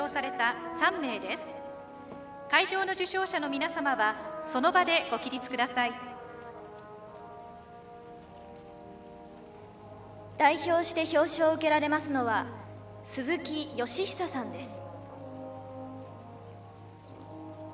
会場の受賞者の皆様はその場でご起立ください。代表して表彰を受けられますのは鈴木善久さんです。